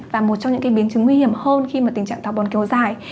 và một trong những biến chứng nguy hiểm hơn khi mà tình trạng táo bón kéo dài